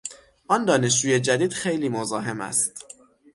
آن دانشجوی جدید خیلی مزاحم است.